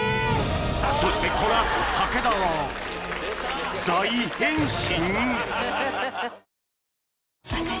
そしてこのあと武田が大変身！？